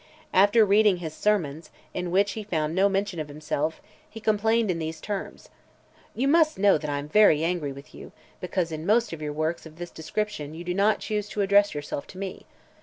After reading his "Sermones," in which he found no mention of himself, he complained in these terms: "You must know that I am very angry with you, because in most of your works of this description you do not choose to address yourself to me.